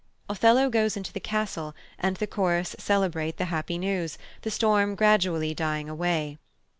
Othello goes into the castle, and the chorus celebrate the happy news, the storm gradually dying away.